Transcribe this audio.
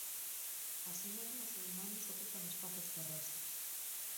Así mesmo os humanos ocupan espazos terrestres.